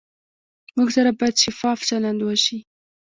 موټر سره باید شفاف چلند وشي.